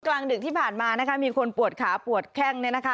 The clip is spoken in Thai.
กลางดึกที่ผ่านมานะคะมีคนปวดขาปวดแข้งเนี่ยนะคะ